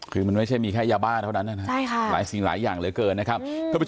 คือมันไม่ใช่มีแค่ยาบ้าเท่านั้นนะครับหลายสิ่งหลายอย่างเหลือเกินนะครับ